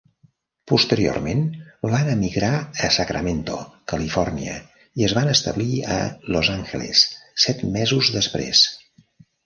Posteriorment van emigrar a Sacramento, Califòrnia i es van establir a Los Angeles set mesos després.